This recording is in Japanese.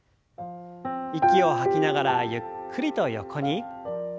息を吐きながらゆっくりと横に。